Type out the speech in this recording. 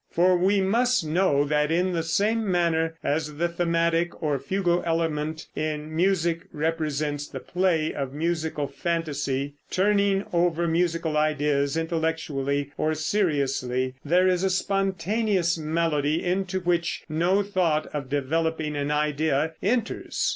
For we must know that in the same manner as the thematic or fugal element in music represents the play of musical fantasy, turning over musical ideas intellectually or seriously; so there is a spontaneous melody, into which no thought of developing an idea enters.